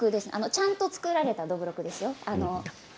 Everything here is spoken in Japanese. ちゃんと造られたどぶろくですよ。